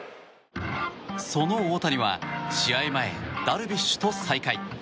その大谷は試合前ダルビッシュと再会。